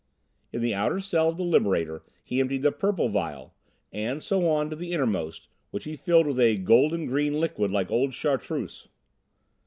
Into the outer cell of the Liberator he emptied the purple vial, and so on to the innermost, which he filled with a golden green liquid like old Chartreuse.